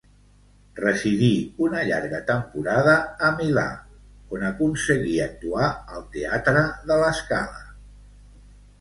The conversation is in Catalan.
Residí una llarga temporada a Milà, on aconseguí actuar al teatre de la Scala.